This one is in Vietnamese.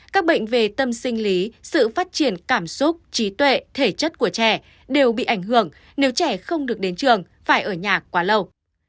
các bệnh về tâm sinh lý sự phát triển cảm xúc trí tuệ thể chất của trẻ đều bị ảnh hưởng nếu trẻ không được đến trường phải ở nhà quá lâu